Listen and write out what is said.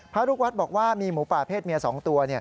พระลูกวัดบอกว่ามีหมูป่าเพศเมีย๒ตัว